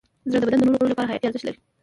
زړه د بدن د نورو غړو لپاره حیاتي ارزښت لري.